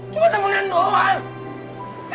cuma temenan doang